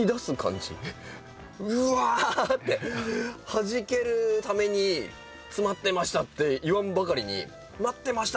はじけるために詰まってましたって言わんばかりに待ってました！